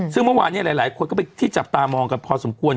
ซึ่งเมื่อวานนี้หลายคนก็ไปที่จับตามองกันพอสมควร